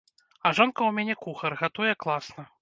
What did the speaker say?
А жонка ў мяне кухар, гатуе класна.